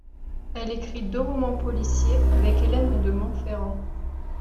Elle écrit deux romans policiers avec Hélène de Monferrand.